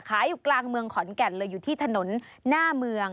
อยู่กลางเมืองขอนแก่นเลยอยู่ที่ถนนหน้าเมือง